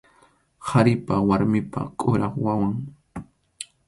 Qharipa warmipa kuraq wawan.